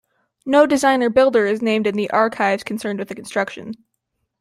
No designer-builder is named in the archives concerned with the construction.